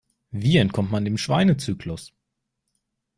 Wie entkommt man dem Schweinezyklus?